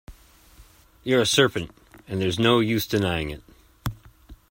You’re a serpent; and there’s no use denying it.